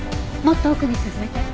もっと奥に進めて。